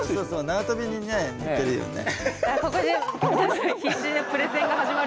縄跳びにね似てるよね。